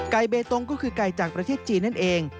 เบตงก็คือไก่จากประเทศจีนนั่นเอง